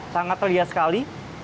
sangat terlihat sekali